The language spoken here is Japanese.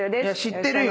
知ってるよ。